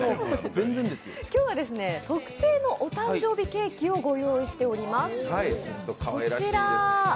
今日は特製のお誕生日ケーキをご用意しています。